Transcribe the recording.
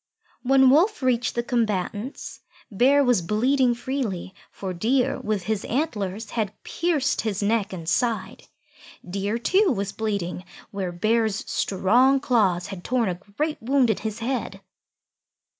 When Wolf reached the combatants, Bear was bleeding freely, for Deer with his antlers had pierced his neck and side. Deer, too, was bleeding where Bear's strong claws had torn a great wound in his head.